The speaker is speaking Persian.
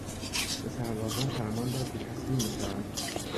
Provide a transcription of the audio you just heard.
به سربازان فرمان داد که تسلیم بشوند.